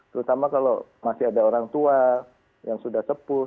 terutama kalau masih ada orang tua yang sudah sepuh